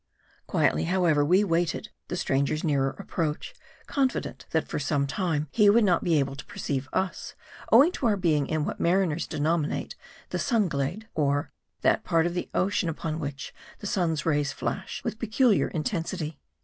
Quietly, however, we waited the stranger's nearer ap proach ; confident, that for some time he would not be able to perceive us, owing to our being in what mariners denomi nate the " sun glade," or that part of the ocean upon which the sun's rays flash with peculiar intensity.